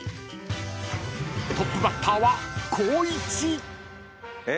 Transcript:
［トップバッターは光一］え！